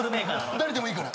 誰でもいいから。